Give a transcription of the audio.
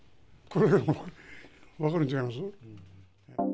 これで分かるんちゃいます？